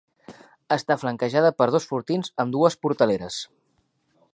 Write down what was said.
Està flanquejada per dos fortins amb dues portaleres.